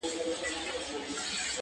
دې سړو وینو ته مي اور ورکړه؛